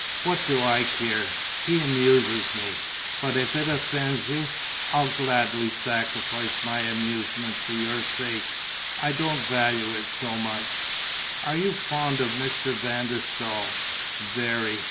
What do I care? He amuses me; but, if it offends you, I'll gladly sacrifice my amusement for your sake. I don't value it so much." "Are you fond of Mr. van der Staal?" "Very."